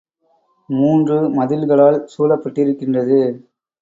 மூன்று மதில்களால் சூழப்பட்டிருக்கின்றது.